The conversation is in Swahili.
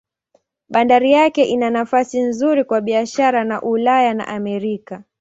Bandari yake ina nafasi nzuri kwa biashara na Ulaya na Amerika.